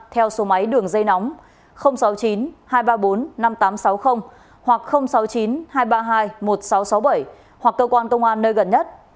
theo số máy đường dây nóng sáu mươi chín hai trăm ba mươi bốn năm nghìn tám trăm sáu mươi hoặc sáu mươi chín hai trăm ba mươi hai một nghìn sáu trăm sáu mươi bảy hoặc cơ quan công an nơi gần nhất